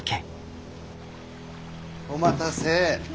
お待たせ。